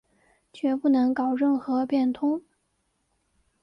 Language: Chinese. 决不能搞任何变通